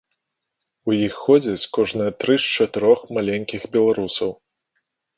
У іх ходзяць кожныя тры з чатырох маленькіх беларусаў.